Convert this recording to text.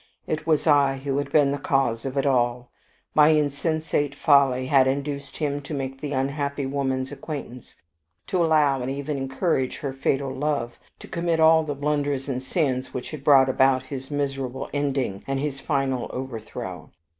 It was I who had been the cause of it all. My insensate folly had induced him to make the unhappy woman's acquaintance, to allow and even encourage her fatal love, to commit all the blunders and sins which had brought about her miserable ending and his final overthrow.